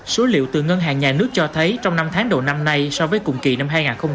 số liệu từ ngân hàng nhà nước cho thấy trong năm tháng đầu năm nay so với cùng kỳ năm hai nghìn một mươi chín